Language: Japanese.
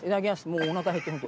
もうおなか減ってる。